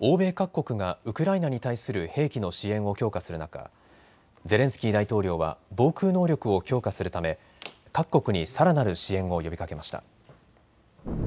欧米各国がウクライナに対する兵器の支援を強化する中、ゼレンスキー大統領は防空能力を強化するため各国にさらなる支援を呼びかけました。